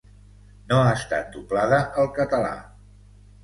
No ha estat doblada al català.